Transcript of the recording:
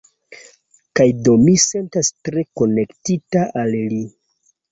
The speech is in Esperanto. Kaj do mi sentas tre konektita al li.